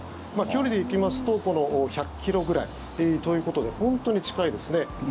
距離で行きますと１００ｋｍぐらいということで本当に近いですね。